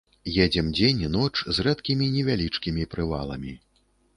Едзем дзень і ноч, з рэдкімі, невялічкімі прываламі.